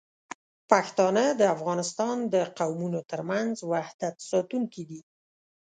پښتانه د افغانستان د قومونو ترمنځ وحدت ساتونکي دي.